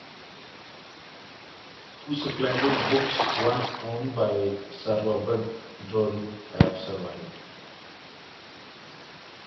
Two splendid books once owned by Sir Robert Drury have survived.